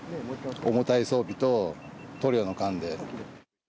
重たい装備と塗料の缶で。